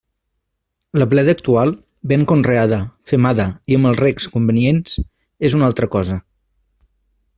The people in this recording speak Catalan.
La bleda actual, ben conreada, femada i amb els recs convenients és una altra cosa.